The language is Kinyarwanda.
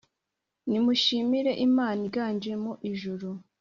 nimushimire imana iganje mu ijuru